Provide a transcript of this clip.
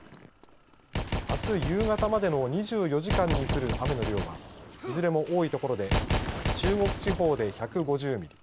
あす夕方までの２４時間に降る雨の量はいずれも多い所で中国地方で１５０ミリ